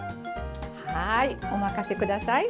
はい、お任せください。